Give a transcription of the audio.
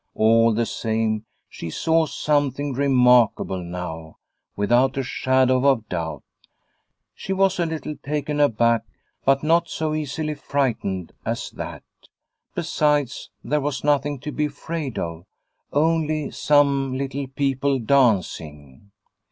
All the same she saw something remarkable now, without a shadow of doubt. She was a little taken aback, but not so easily frightened as that. Besides, there was nothing to be afraid of, only some little people dancing.